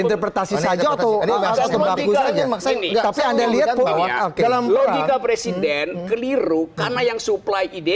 interpretasi saja tuh tapi anda lihat dalam logika presiden keliru karena yang supply ide